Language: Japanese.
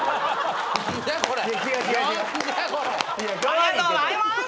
ありがとうございます！